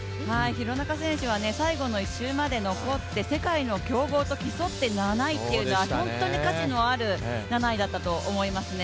廣中選手は最後の１周まで残って、世界の強豪と競って７位っていうのは本当に価値のある７位だったと思いますね。